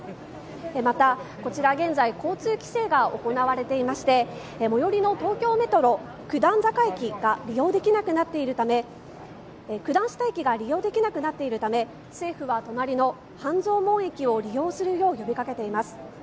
また、こちら現在交通規制が行われていまして最寄りの東京メトロ九段下駅が利用できなくなっているため政府は隣の半蔵門駅を利用するよう呼びかけています。